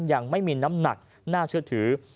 ยังไม่มีน้ำหนักน่าเชื่อถือ